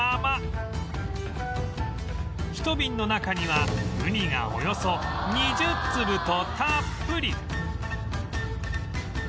ひと瓶の中にはウニがおよそ２０粒とたっぷり！